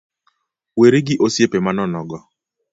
Weri gi osiepe manono go